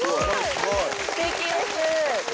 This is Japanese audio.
すてきです。